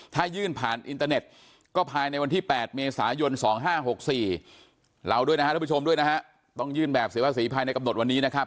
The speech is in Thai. ถ้ายื่นผ่านอินเตอร์เน็ตก็ภายในวันที่๘เมษายน๒๕๖๔เราด้วยนะฮะทุกผู้ชมด้วยนะฮะต้องยื่นแบบเสียภาษีภายในกำหนดวันนี้นะครับ